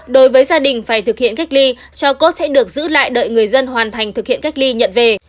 đối với gia đình phải thực hiện cách ly cho cốt sẽ được giữ lại đợi người dân hoàn thành thực hiện cách ly nhận về